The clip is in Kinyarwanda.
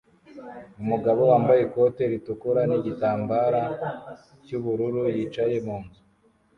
Umugabo wambaye ikote ritukura nigitambara cyubururu yicaye mu nzu